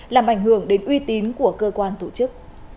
làm ảnh hưởng đến uy tín của cơ quan tổ chức